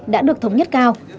đã được thống nhất cao